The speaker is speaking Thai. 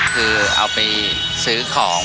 คือเอาไปซื้อของ